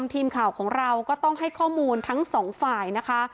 ทีมข่าวของเราก็ต้องให้ข้อมูลทั้งสองฝ่ายนะคะ